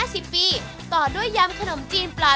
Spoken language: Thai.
วันนี้ขอบคุณพี่อมนต์มากเลยนะครับ